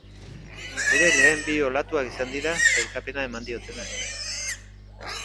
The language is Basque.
Bere lehen bi olatuak izan dira sailkapena eman diotenak.